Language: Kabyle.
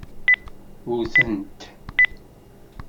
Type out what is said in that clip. Wten-t.